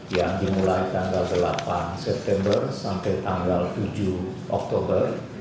yang dimulai tanggal delapan september sampai tanggal tujuh oktober